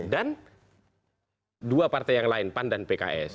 dua partai yang lain pan dan pks